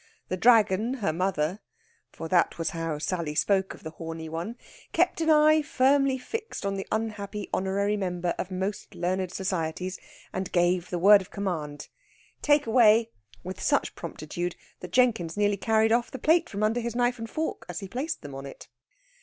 The dragon, her mother for that was how Sally spoke of the horny one kept an eye firmly fixed on the unhappy honorary member of most learned societies, and gave the word of command, "Take away!" with such promptitude that Jenkins nearly carried off the plate from under his knife and fork as he placed them on it.